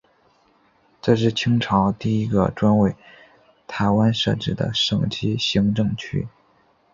这是清朝第一个专为台湾设置的省级行政区。